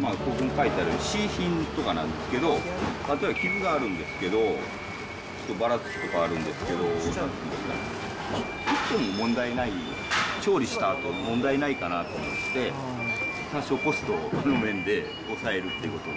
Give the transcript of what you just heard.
まあ、ここに書いてある、Ｃ品とかなんですけど、あとは傷があるんですけど、ばらつきとかあるんですけど、特に問題ない、調理したあとに問題ないかなと思って、多少、コストの面で抑えるっていうことで。